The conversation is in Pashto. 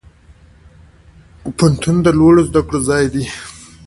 پوهنتون د لوړو زده کړو ځای دی